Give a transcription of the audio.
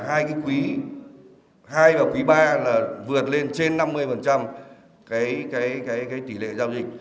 hai cái quý hai và quý iii là vượt lên trên năm mươi cái tỷ lệ giao dịch